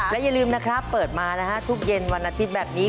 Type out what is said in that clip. และอย่าลืมนะครับเปิดมานะฮะทุกเย็นวันอาทิตย์แบบนี้